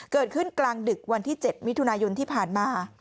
เกิดขึ้นกลางดึกวันที่๗มิถุนายนที่ผ่านมา